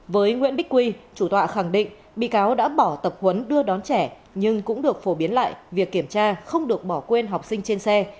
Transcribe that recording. với nguyễn bích quy chủ tọa khẳng định bị cáo đã bỏ tập huấn đưa đón trẻ nhưng cũng được phổ biến lại việc kiểm tra không được bỏ quên học sinh trên xe